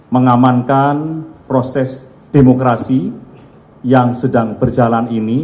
mengamankan proses demokrasi yang sedang berjalan ini